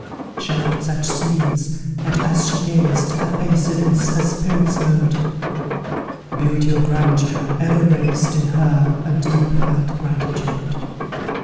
She loved such scenes, and as she gazed, Her face evinced her spirit's mood; Beauty or grandeur ever raised In her, a deep felt gratitude.